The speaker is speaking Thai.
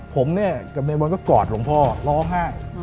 ผมเนี่ยกับนายบอลก็กอดหลวงพ่อร้องไห้